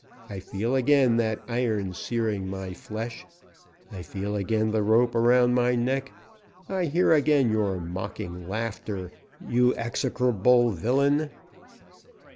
I feel again that iron searing my flesh; I feel again the rope around my neck; I hear again your mocking laughter, you execrable villain!"